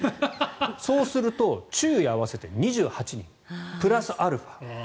そうすると昼夜合わせて２８人プラスアルファ。